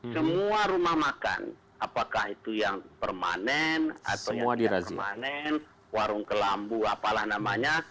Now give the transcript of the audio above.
semua rumah makan apakah itu yang permanen atau yang tidak permanen warung kelambu apalah namanya